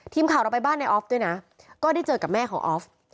ทีมข่าวเราไปบ้านในออฟด้วยนะก็ได้เจอกับแม่ของออฟ